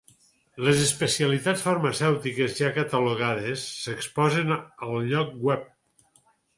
Les especialitats farmacèutiques ja catalogades s'exposen al lloc web.